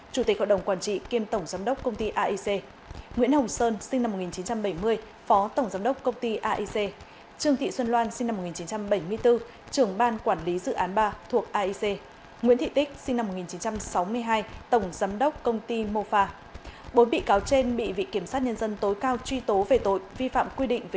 chủ tịch hội đồng quản trị kiêm tổng giám đốc công ty aic và một mươi năm bị cáo trong vụ án trên